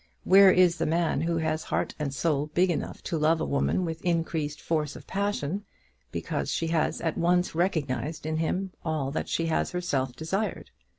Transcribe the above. Where is the man who has heart and soul big enough to love a woman with increased force of passion because she has at once recognised in him all that she has herself desired?